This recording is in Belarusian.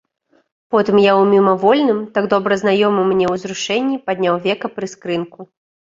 Потым я ў мімавольным, так добра знаёмым мне, узрушэнні падняў века прыскрынку.